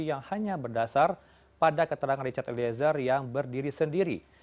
yang hanya berdasar pada keterangan richard eliezer yang berdiri sendiri